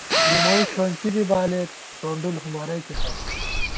لِموئی ݪونکی بی بالېت ٹونڈُل ہُمَرَئیکے پت